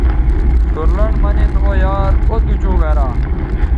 سور لنڈ مہ نِن او یارااو تُو چوں گرا